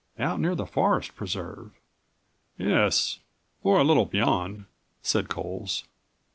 Out near the forest preserve." "Yes, or a little beyond," said Coles.